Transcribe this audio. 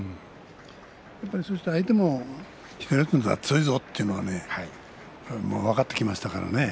相手も強いぞというのが分かってきましたからね。